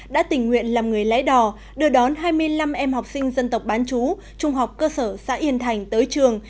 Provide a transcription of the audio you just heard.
đã tình nguyện làm người lái đò đưa đón hai mươi năm em học sinh dân tộc bán chú trung học cơ sở xã yên thành tới trường